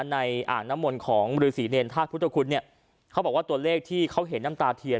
อ่างน้ำมนต์ของฤษีเนรธาตุพุทธคุณเนี่ยเขาบอกว่าตัวเลขที่เขาเห็นน้ำตาเทียน